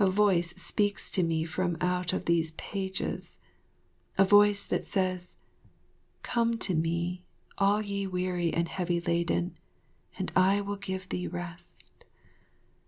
A Voice speaks to me from out these pages, a Voice that says, "Come unto Me all ye weary and heavy laden, and I will give thee rest."